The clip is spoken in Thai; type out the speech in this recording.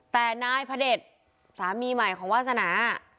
แต่นายพระเด็จสามีใหม่ของวาสนา